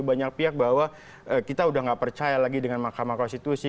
banyak pihak bahwa kita udah gak percaya lagi dengan mahkamah konstitusi